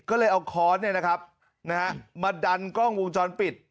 ก็เลยเอาค้อนเนี่ยนะครับมาดันกล้องวงจรปิด